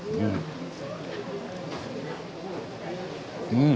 うん！